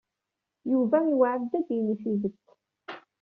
Yuba iweɛɛed-d ad d-yini tidet.